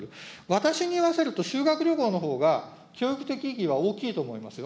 私に言わせると、修学旅行のほうが、教育的意義は大きいと思いますよ。